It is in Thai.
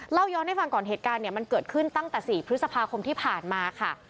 ย้อนให้ฟังก่อนเหตุการณ์เนี่ยมันเกิดขึ้นตั้งแต่๔พฤษภาคมที่ผ่านมาค่ะ